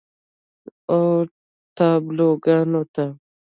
و تابلوګانو ته